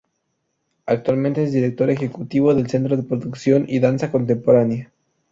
Actualmente es Director Ejecutivo del Centro de Producción y Danza Contemporánea.